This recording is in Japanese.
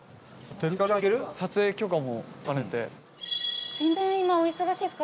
田中：撮影許可も兼ねて。